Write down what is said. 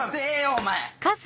お前！